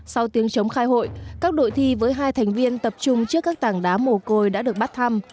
sau tiếng chống khai hội các đội thi với hai thành viên tập trung trước các tảng đá mồ côi đã được bắt thăm